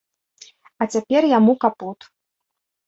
А цяпер яму капут.